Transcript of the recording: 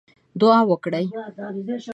دعا وکړئ